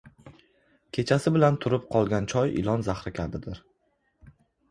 • Kechasi bilan turib qolgan choy ilon zahri kabidir.